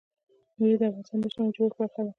مېوې د افغانستان د اجتماعي جوړښت برخه ده.